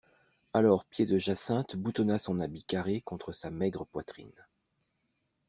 Alors Pied-de-Jacinthe boutonna son habit carré contre sa maigre poitrine.